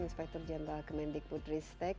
inspektur jendral kemendikbudristek